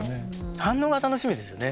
反応が楽しみですよね。